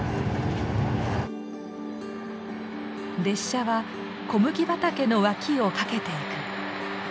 列車は小麦畑の脇を駆けていく。